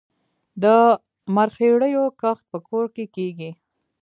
د مرخیړیو کښت په کور کې کیږي؟